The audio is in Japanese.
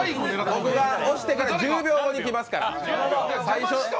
僕が押してから１０秒後にきますから。